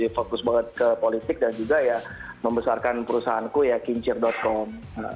fokus banget ke politik dan juga ya membesarkan perusahaanku ya kincir com